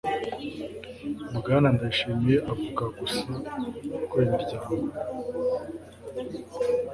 bwana ndayishimiye avuga gusa ko imiryango